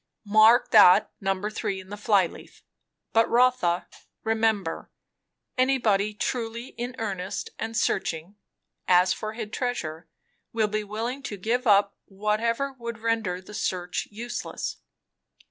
"Mark that No. 3 in the fly leaf! But Rotha, remember, anybody truly in earnest and searching 'as for hid treasure,' will be willing to give up whatever would render the search useless."